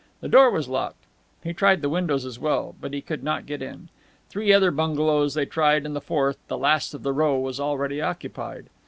The door was locked. He tried the windows as well. But he could not get in. Three other bungalows they tried, and the fourth, the last of the row, was already occupied.